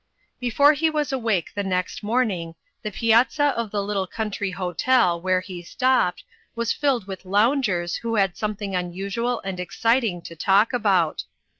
Before he was awake the next morning, the piazza of the little country hotel, where he stopped, was filled with loungers who had something unusual and exciting to talk about.